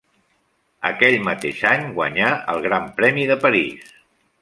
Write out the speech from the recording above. Aquell mateix any guanyà el Gran Premi de París.